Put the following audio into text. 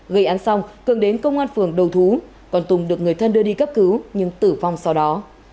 gây án xong cường đến công an phường đầu thú còn tùng được người thân đưa đi cấp cứu nhưng tử vong sau đó